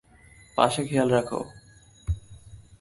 পাশে খেয়াল রেখো।